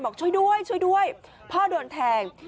บอกช่วยด้วยช่วยด้วยพ่อโดนแทง